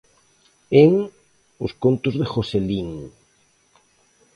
En "Os contos de Joselín".